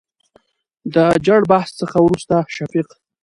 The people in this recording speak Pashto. دجړبحث څخه ورورسته شفيق